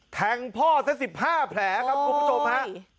แทงพ่อแท้๑๕แผลครับอุปกรณ์ประจงพระ